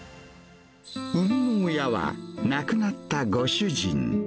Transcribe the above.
生みの親は、亡くなったご主人。